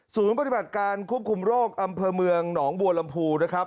สูงปฏิบัติการควบคุมโรคอำเภอเมืองหนองบูรรมภู